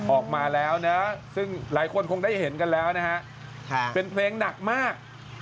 ออกมาแล้วนะซึ่งหลายคนคงได้เห็นกันแล้วนะฮะเป็นเพลงหนักมาก